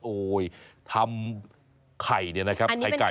ทำไข่เนี่ยนะครับไข่ไก่